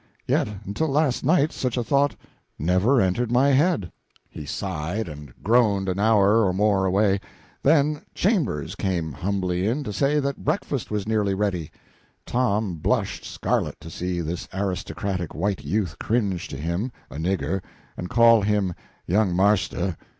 yet until last night such a thought never entered my head." He sighed and groaned an hour or more away. Then "Chambers" came humbly in to say that breakfast was nearly ready. "Tom" blushed scarlet to see this aristocratic white youth cringe to him, a nigger, and call him "Young Marster."